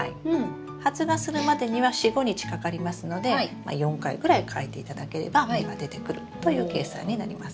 発芽するまでには４５日かかりますのでまあ４回ぐらい替えていただければ芽が出てくるという計算になります。